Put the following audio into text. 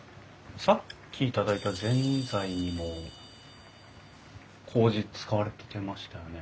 さっき頂いたぜんざいにもこうじ使われてましたよね？